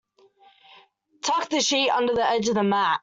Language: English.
Tuck the sheet under the edge of the mat.